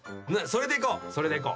それでいこう！